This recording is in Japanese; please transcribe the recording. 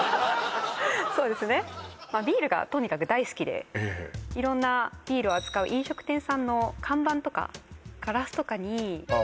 そうですねまあビールがとにかく大好きで色んなビールを扱う飲食店さんの看板とかガラスとかにあ